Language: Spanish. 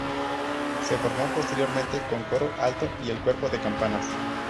Se reformó, posteriormente, con coro alto y el cuerpo de campanas.